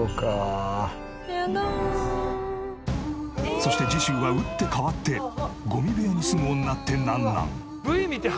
そして次週は打って変わってゴミ部屋に住む女ってなんなん？